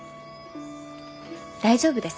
大丈夫です。